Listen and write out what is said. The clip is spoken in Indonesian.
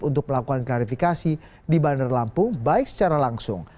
untuk melakukan klarifikasi di bandar lampung baik secara langsung